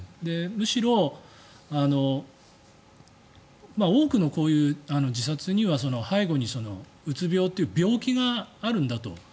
むしろ多くのこういう自殺には背後にうつ病という病気があるんだと。